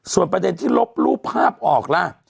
ส่วนประเด็นที่ลบรูปภาพออกล่ะ